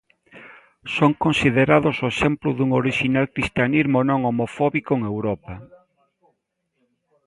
Son considerados o exemplo dun orixinal cristianismo non homofóbico en Europa.